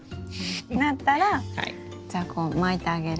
なったらじゃあこう巻いてあげるんですね？